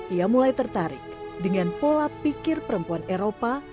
ia mulai tertarik dengan pola pikir perempuan eropa